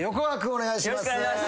お願いします。